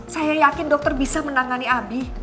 saya yakin dokter bisa menangani abi